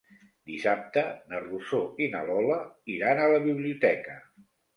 Dissabte na Rosó i na Lola iran a la biblioteca.